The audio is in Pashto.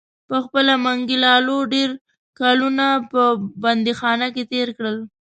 پخپله منګي لالو ډیر کلونه په بندیخانه کې تیر کړل.